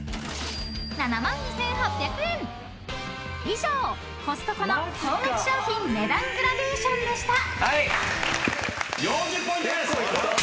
［以上コストコの高額商品値段グラデーションでした］